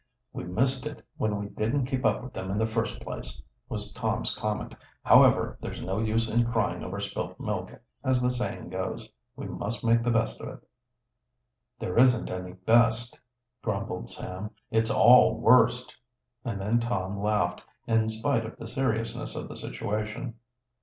"We missed it when we didn't keep up with them in the first place," was Tom's comment. "However, there's no use in crying over spilt milk, as the saying goes. We must make the best of it." "There isn't any best," grumbled Sam. "It's all worst!" And then Tom laughed, in spite of the seriousness of the situation.